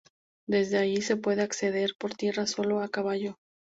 Desde allí se puede acceder por tierra sólo a caballo.